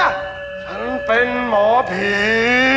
ฉันเป็นหมอผี